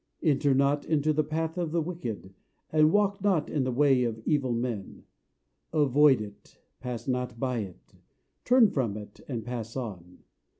Enter not into the Path of the Wicked, And walk not in the way of evil men. Avoid it, Pass not by it; Turn from it, And pass on.